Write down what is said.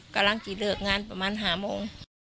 กำลังจะเลิกงานประมาณ๕โมง